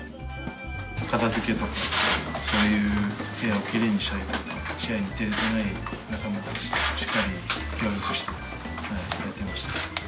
片づけとか、そういう部屋をきれいにしたり、試合に出られていない仲間たち、しっかり協力してやってました。